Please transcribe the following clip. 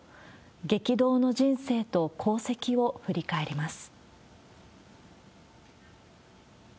激動の人生と功績を振り返ります。